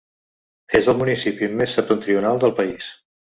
És el municipi més septentrional del país.